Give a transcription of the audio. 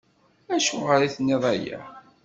Acuɣer i d-tenniḍ aya?